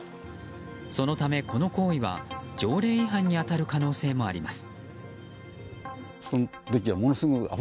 そのため、この行為は条例違反に当たる可能性もあります。